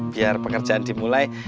biar pekerjaan dimulai